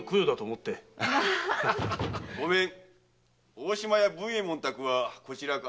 ・大島屋文右衛門宅はこちらか？